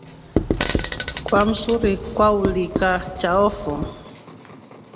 Kwa msuri kwaulika chao fo.